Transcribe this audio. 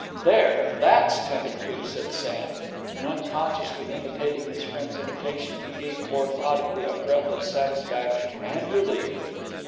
"There, that's 'tended to!" said Sam, and, unconsciously imitating his friend's imitation, he gave forth audibly a breath of satisfaction and relief.